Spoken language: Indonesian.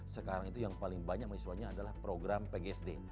sekarang itu yang paling banyak mahasiswanya adalah program pgsd